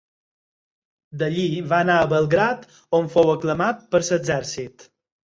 D'allí va anar a Belgrad on fou aclamat per l'exèrcit.